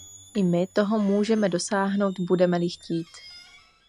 I my toho můžeme dosáhnout, budeme-li chtít.